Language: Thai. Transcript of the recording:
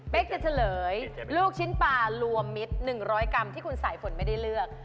เป็นจะเฉลยลูกชิ้นปลารวมมิตร๑๐๐กรัมที่คุณสายฝนไม่ได้เลือก